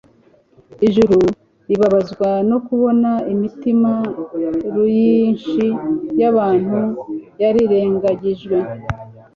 Ijuru ribabazwa no kubona imitima ruyinshi y'abantu yarirengagijwe.